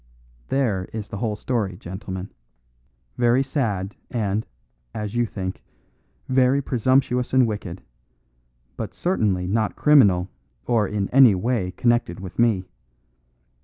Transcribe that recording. There is the whole story, gentlemen, very sad and, as you think, very presumptuous and wicked, but certainly not criminal or in any way connected with me.